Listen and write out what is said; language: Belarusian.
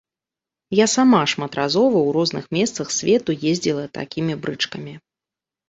Я сама шматразова ў розных месцах свету ездзіла такімі брычкамі.